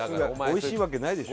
美味しいわけないでしょ。